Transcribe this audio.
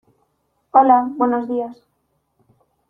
Hola, buenos días.